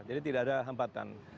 jadi tidak ada hambatan